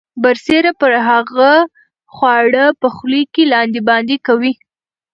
برسیره پر هغه خواړه په خولې کې لاندې باندې کوي.